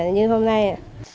như hôm nay